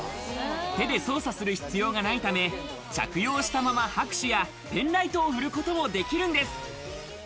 手で操作する必要がないため、着用したまま拍手やペンライトを振ることもできるんです。